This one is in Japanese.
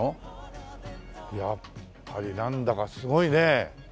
やっぱりなんだかすごいね。